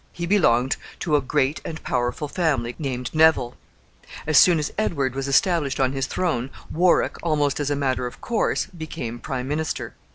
He belonged to a great and powerful family named Neville. As soon as Edward was established on his throne, Warwick, almost as a matter of course, became prime minister.